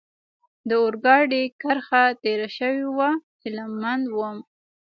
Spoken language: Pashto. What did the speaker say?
د اورګاډي کرښه تېره شوې وه، هیله مند ووم.